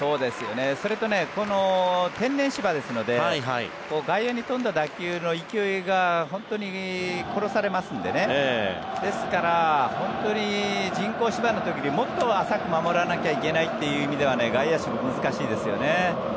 それとこの天然芝ですので外野に飛んだ打球の勢いが本当に殺されますのでですから、人工芝の時よりもっと浅く守らなきゃいけないという意味では外野手、難しいですよね。